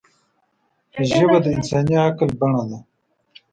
ژبه د انساني عقل بڼه ده